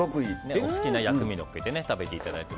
お好きな薬味をのせて食べていただいて。